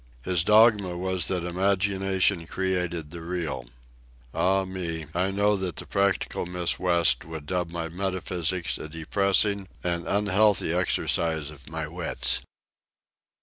His dogma was that imagination created the Real. Ah, me, I know that the practical Miss West would dub my metaphysics a depressing and unhealthful exercise of my wits.